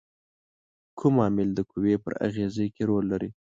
کوم عامل د قوې پر اغیزې کې رول لري؟